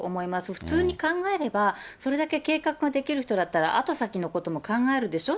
普通に考えれば、それだけ計画できる人だったら、後先のことも考えるでしょう？